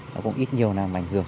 nó cũng ít nhiều là bành hưởng